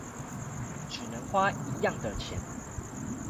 只能花一樣的錢